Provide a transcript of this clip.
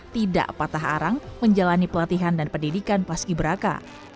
tidak patah arang menjalani pelatihan dan pendidikan paski beraka